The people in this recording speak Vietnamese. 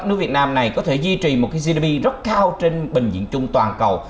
nước việt nam này có thể duy trì một cái gdp rất cao trên bệnh viện chung toàn cầu